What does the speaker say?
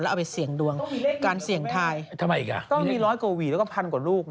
การเสี่ยงดวงการเสี่ยงทายต้องมีร้อยกว่าหวีแล้วก็พันกว่าลูกไง